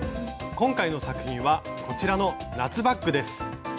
今回の作品はこちらの夏バッグです。